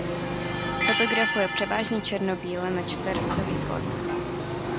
Fotografuje převážně černobíle na čtvercový formát.